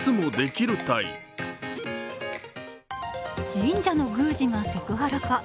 神社の宮司がセクハラか？